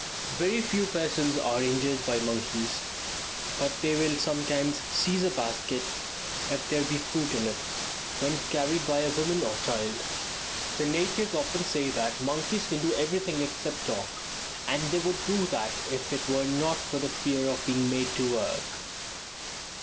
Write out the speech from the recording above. Very few persons are injured by monkeys, but they will sometimes seize a basket, if there be fruit in it, when carried by a woman or child. The natives often say that "monkeys can do everything except talk, and they would do that were it not for the fear of being made to work."